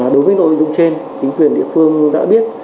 đối với nội dung trên chính quyền địa phương đã biết